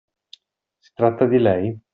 Si tratta di lei?